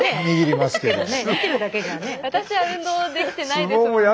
私は運動できてないですもんね。